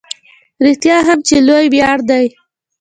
رښتیا هم چې لوی ویاړ دی.